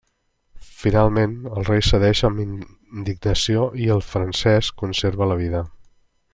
Finalment, el rei cedeix amb indignació i el francès conserva la vida.